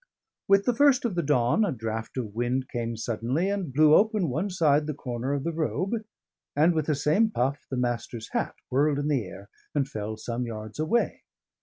With the first of the dawn, a draught of wind came suddenly and blew open one side the corner of the robe; and with the same puff, the Master's hat whirled in the air and fell some yards away.